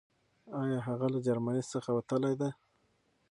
آيا هغه له جرمني څخه وتلی دی؟